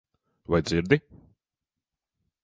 Vai dzirdi?